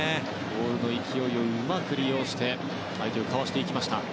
ボールの勢いをうまく利用して相手をかわした。